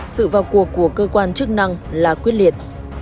sự vào cuộc của cơ quan chức năng là quyết liệt